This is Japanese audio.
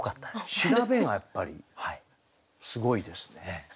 調べがやっぱりすごいですね。